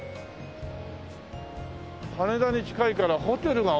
羽田に近いからホテルが多いね。